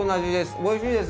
おいしいです！